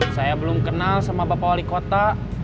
saya belum kenal sama bapak wali kota